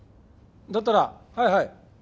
だったらはいはい！